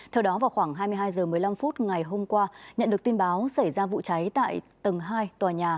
theo đó vào khoảng hai mươi hai h một mươi năm ngày hôm qua nhận được tin báo xảy ra vụ cháy tại tầng hai tòa nhà